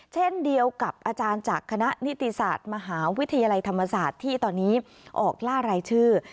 เช่นเดียวกับอาจารย์จากคณะนิติศาสตร์มหาวิทยาลัยธรรมศาสตร์ที่ตอนนี้ออกล่ารายชื่อ